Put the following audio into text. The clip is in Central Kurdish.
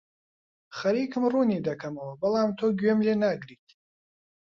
خەریکم ڕوونی دەکەمەوە، بەڵام تۆ گوێم لێ ناگریت.